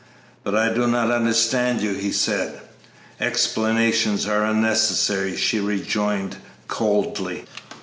"But I do not understand you," he said. "Explanations are unnecessary," she rejoined, coldly.